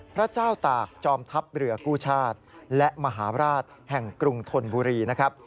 พระเจ้าตากจอมทัพเรือกู้ชาติและมหาราชแห่งกรุงธนบุรีนะครับ